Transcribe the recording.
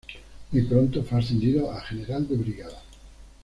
Muy pronto fue ascendido a general de brigada.